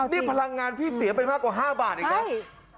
นี่พลังงานพี่เสียไปมากกว่าห้าบาทอีกแล้ว